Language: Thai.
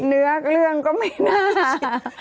เนื้อเรื่องก็ไม่น่า